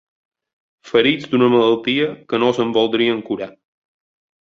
Ferits d'una malaltia que no se'n voldrien curar